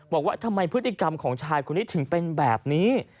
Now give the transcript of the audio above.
บอกว่าทำไมพฤติกรรมของชายคนนี้ถึงเป็นแบบนี้